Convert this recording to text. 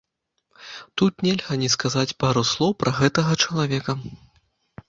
Тут нельга не сказаць пару слоў пра гэтага чалавека.